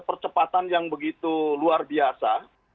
percepatan yang begitu luar biasa